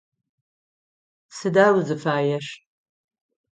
Сыда узыфаер?